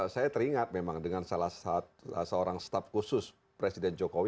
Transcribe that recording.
saya teringat memang dengan salah seorang staff khusus presiden jokowi